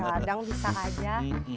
pak dadang bisa aja